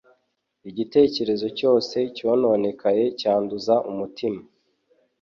Igitekerezo cyose cyononekaye cyanduza umutima,